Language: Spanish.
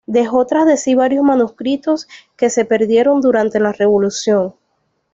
Dejó tras de sí varios manuscritos, que se perdieron durante la Revolución.